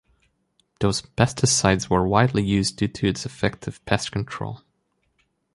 Those pesticides were widely used due to its effective pest control.